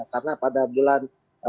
karena pada bulan